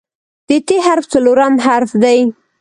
د "ت" حرف څلورم حرف دی.